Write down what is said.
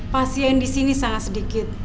pasien di sini sangat sedikit